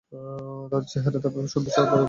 তাদের চেহারায় তার ব্যাপারে সন্তুষ্টির আভা বিকশিত হল।